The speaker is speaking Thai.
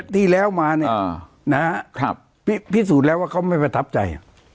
ที่แล้วมาเนี่ยนะฮะพิสูจน์แล้วว่าเขาไม่ประทับใจ